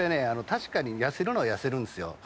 確かに痩せるのは痩せるんですよ。